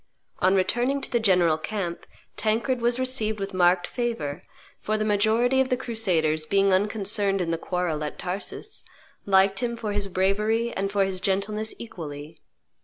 On returning to the general camp, Tancred was received with marked favor; for the majority of the crusaders, being unconcerned in the quarrel at Tarsus, liked him for his bravery and for his gentleness equally.